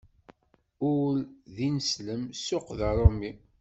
Ul d ineslem, ssuq d aṛumi.